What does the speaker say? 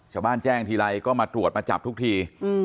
ชาวบ้านแจ้งทีไรก็มาตรวจมาจับทุกที